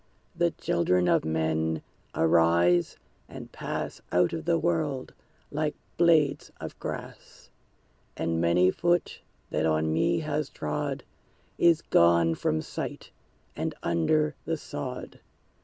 The children of men arise, and pass Out of the world, like blades of grass; And many foot that on me has trod Is gone from sight, and under the sod!